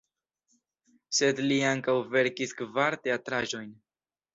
Sed li ankaŭ verkis kvar teatraĵojn.